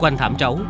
quanh thảm trấu